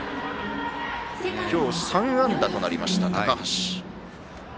今日３安打となりました高橋。